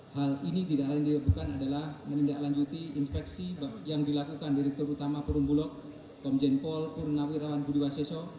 hal ini tidak lain dilakukan adalah menindaklanjuti inspeksi yang dilakukan direktur utama perumbulok komjen paul purnawirawan budiwaseso